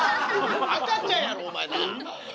赤ちゃんやろお前なあ。